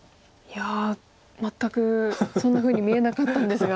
いや全くそんなふうに見えなかったんですが。